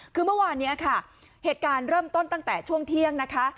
คือเมื่อวานนี้ค่ะเหตุการณ์เริ่มต้นตั้งแต่ช่วงเที่ยงนะคะ